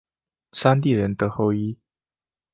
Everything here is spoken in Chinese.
山地人的后裔。